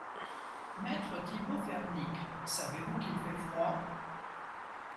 Maître Thibaut Fernicle, savez-vous qu’il fait froid?